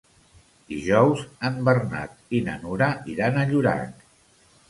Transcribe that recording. Dijous en Bernat i na Nura iran a Llorac.